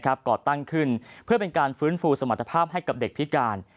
ก่อตั้งขึ้นเพื่อเป็นการฟื้นฟูสมรรถภาพให้กับเด็กพิการ